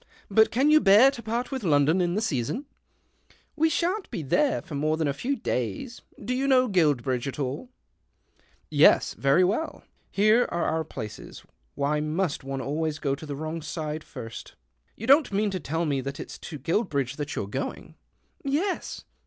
" But can '■ou bear to part with Loudon in the leason ?" "We shan't be there for more than a few lays. Do you know Guilbridge at all ?"" Yes ; very well. (Here are our places — vhy must one always go to the wrong side irst ?) You don't mean to tell me that it's to jruilbridge that you're going ?"" Y yes."